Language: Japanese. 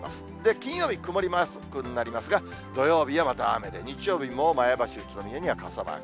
金曜日、曇りマークになりますが、土曜日はまた雨で、日曜日も前橋や宇都宮には傘マーク。